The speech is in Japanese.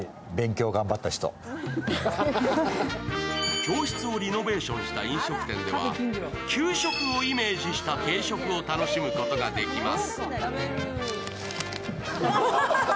教室をリノベ−ションした飲食店では給食をイメージした定食を楽しむことができます。